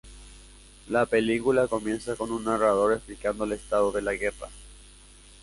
La película comienza con un narrador explicando el estado de la guerra.